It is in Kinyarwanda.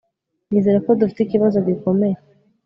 Nizera ko dufite ikibazo gikomeye